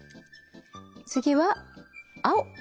次は青。